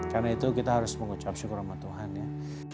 karena itu kita harus mengucap syukur rahmat tuhan ya